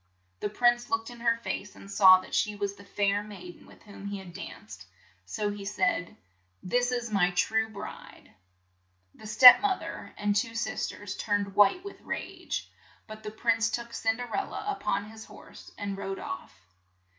The prince looked in her face, and saw that she was the fair maid en with whom he had danced, so he said :'' This is my true bride !'' The step moth er and two sis ters turned white with rage, but the prince took Cin der el la up on his horse and rode off.